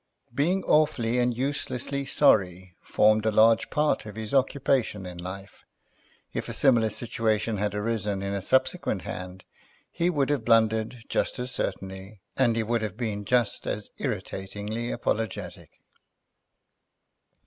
Being awfully and uselessly sorry formed a large part of his occupation in life. If a similar situation had arisen in a subsequent hand he would have blundered just as certainly, and he would have been just as irritatingly apologetic.